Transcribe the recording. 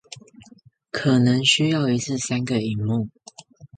可能需要一次三個螢幕